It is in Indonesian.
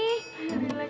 iya relax banget